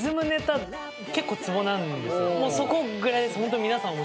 そこぐらいです。